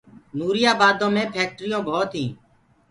نوريآ بآدو مي ڦيڪٽريونٚ ڀوت هينٚ